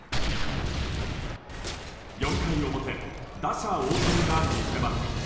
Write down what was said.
４回表、打者・大谷が見せます。